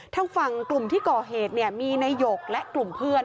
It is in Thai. ทางฝั่งกลุ่มที่ก่อเหตุเนี่ยมีนายหยกและกลุ่มเพื่อน